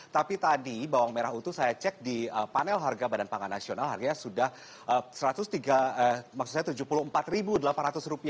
tapi tadi bawang merah utuh saya cek di panel harga badan pangan nasional harganya sudah rp tujuh puluh empat delapan ratus